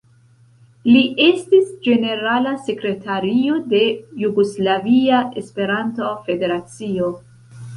Li estis ĝenerala sekretario de Jugoslavia Esperanto-Federacio.